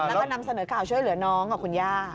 แล้วก็นำเสนอข่าวช่วยเหลือน้องกับคุณย่า